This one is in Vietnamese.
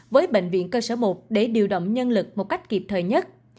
với bệnh viện cơ sở một để điều động nhân lực một cách kịp thời nhất